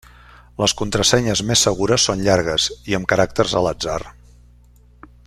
Les contrasenyes més segures són llargues, i amb caràcters a l'atzar.